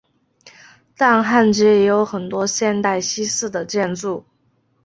但汉街也有很多现代西式的建筑。